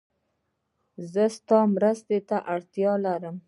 زه ستا مرسته ته اړتیا لرم.